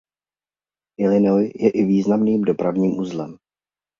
Illinois je i významným dopravním uzlem.